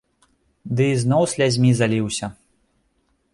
Ды ізноў слязьмі заліўся.